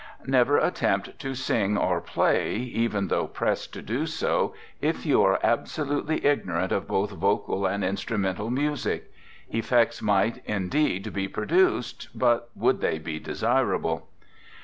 Never attempt to sing or play, even though pressed to do so, if you are absolutely ignorant of both vocal and instrumental music. Effects might, indeed, be produced, but would they be desirable?